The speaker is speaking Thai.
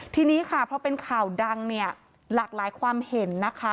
ทีนี้ค่ะเพราะเป็นข่าวดังหลากหลายความเห็นนะคะ